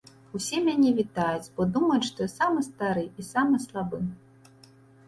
Усе мяне вітаюць, бо думаюць, што я самы стары і самы слабы.